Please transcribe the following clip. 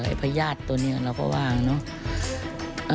ไอ้พยาธิตัวนี้เราก็ว่างเนอะ